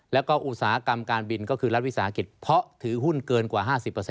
แล้วก็อุตสาหกรรมการบินก็คือรัฐวิสาหกิจเพราะถือหุ้นเกินกว่า๕๐